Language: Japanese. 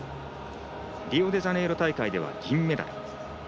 リオデジャネイロ大会では銀メダル。